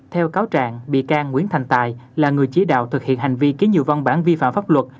theo cáo trạng bị can nguyễn thành tài là người chỉ đạo thực hiện hành vi ký nhiều văn bản vi phạm pháp luật